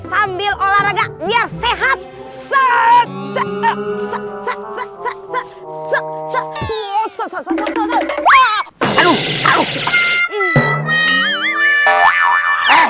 sambil olahraga biar sehat setelah setelah setelah setelah setelah setelah setelah setelah